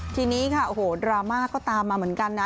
ทีนี้ค่ะโอ้โหดราม่าก็ตามมาเหมือนกันนะ